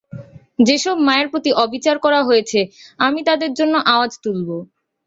যেসব মায়ের প্রতি অবিচার করা হয়েছে, আমি তাদের জন্য আওয়াজ তুলব।